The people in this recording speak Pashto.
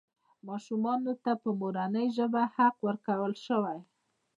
ماشومانو ته په مورنۍ ژبه حق ورکړل شوی.